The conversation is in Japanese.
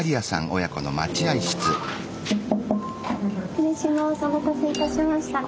お待たせいたしました。